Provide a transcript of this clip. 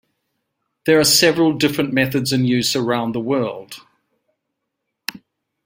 There are several different methods in use around the world.